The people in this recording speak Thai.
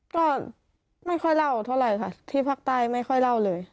ก็ไม่ค่อยเล่าเท่าไหร่ค่ะที่ภาคใต้ไม่ค่อยเล่าเลย